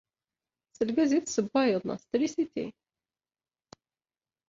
S lgaz i tessewwayeḍ neɣ s trisiti?